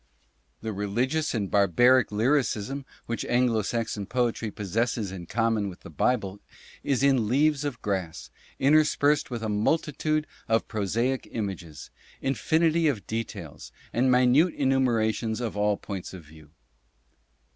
The religious and barbaric lyrism which Anglo Saxon poetry possesses in common with the Bible is in "Leaves of Grass" interspersed with a multitude of prosaic images, infinity of details, and minute enumerations of all points of view.